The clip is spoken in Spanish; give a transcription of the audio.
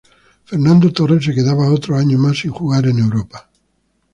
Fernando Torres se quedaba otro año más sin jugar en Europa.